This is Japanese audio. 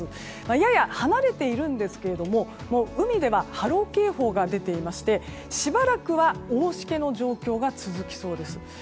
やや離れているんですが海では波浪警報が出ていましてしばらくは大しけの状況が続きそうです。